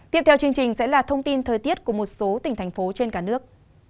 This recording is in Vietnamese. tiếp theo chương trình sẽ là thông tin thời tiết của một số tỉnh thành phố trên cả nước